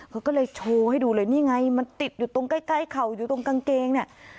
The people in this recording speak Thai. เขาก็เลยโชว์ให้ดูเลยนี่ไงมันติดอยู่ตรงใกล้ใกล้เข่าอยู่ตรงกางเกงเนี่ย